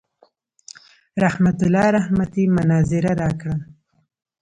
رحمت الله رحمتي مناظره راکړه.